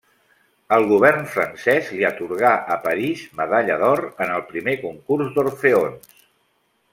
El Govern francès li atorga a París medalla d'or en el primer concurs d'Orfeons.